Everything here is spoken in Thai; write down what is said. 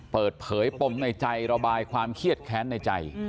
เปิดเผยปมในใจระบายความเครียดแค้นในใจ